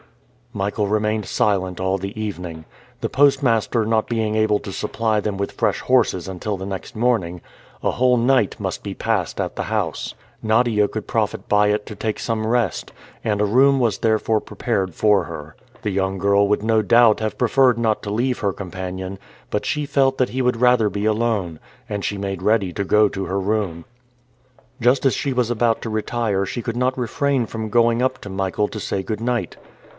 Michael remained silent all the evening. The postmaster not being able to supply them with fresh horses until the next morning, a whole night must be passed at the house. Nadia could profit by it to take some rest, and a room was therefore prepared for her. The young girl would no doubt have preferred not to leave her companion, but she felt that he would rather be alone, and she made ready to go to her room. Just as she was about to retire she could not refrain from going up to Michael to say good night.